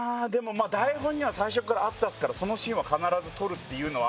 台本には最初からあったっすからそのシーンは必ず撮るっていうのは。